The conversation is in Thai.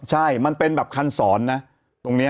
ใช่มันเป็นแบบคันสอนนะตรงนี้